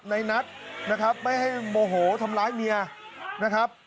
ในนัทนะครับไม่ให้โมโหทำร้ายเมียนะครับ